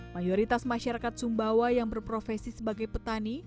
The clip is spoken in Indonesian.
mayoritas masyarakat sumbawa yang berprofesi sebagai petani